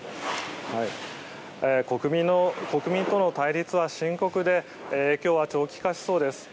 国民との対立は深刻で長期化しそうです。